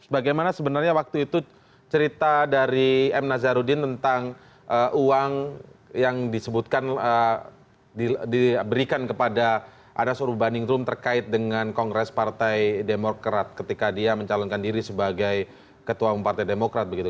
bagaimana sebenarnya waktu itu cerita dari m nazarudin tentang uang yang disebutkan diberikan kepada anas urbaningrum terkait dengan kongres partai demokrat ketika dia mencalonkan diri sebagai ketua umum partai demokrat begitu